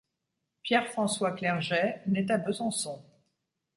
Pierre-François Clerget naît à Besançon.